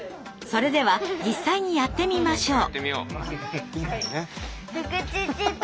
それでは実際にやってみましょう。